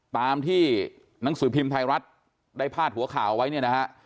ตามที่หนังสือพิมพ์ไทยรัฐได้พาดหัวข่าวไว้เนี่ยนะฮะ